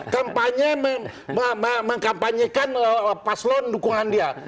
kampanye mengkampanyekan paslon dukungan dia